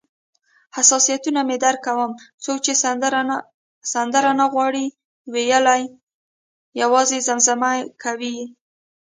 حساسیتونه مې درک کوم، څوک چې سندره نه غواړي ویلای، یوازې زمزمه کوي یې.